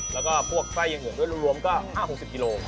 แล้วก็พวกไส้อื่นด้วยรวมก็๕๐๖๐กิโล